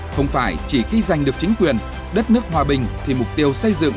không phải chỉ khi giành được chính quyền đất nước hòa bình thì mục tiêu xây dựng